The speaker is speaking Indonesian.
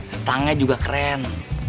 stangnya juga keren